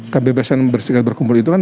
kebebasan bersikap berkumpul itu kan